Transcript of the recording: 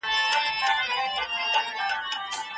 چارواکي باید له حقیقته خبر سي.